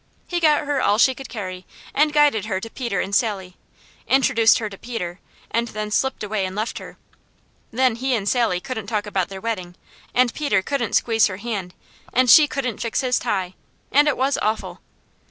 He got her all she could carry and guided her to Peter and Sally, introduced her to Peter, and then slipped away and left her. Then he and Sally couldn't talk about their wedding, and Peter couldn't squeeze her hand, and she couldn't fix his tie, and it was awful.